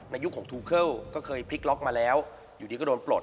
ยุคของทูเคิลก็เคยพลิกล็อกมาแล้วอยู่ดีก็โดนปลด